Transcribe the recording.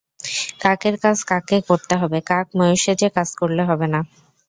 কাকের কাজ কাককে করতে হবে, কাক ময়ূর সেজে কাজ করলে হবে না।